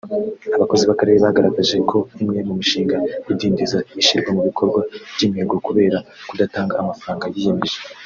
Abakozi b’akarere bagaragaje ko imwe mu mishinga idindiza ishyirwa mu bikorwa ry’imihigo kubera kudatanga amafaranga yiyemeje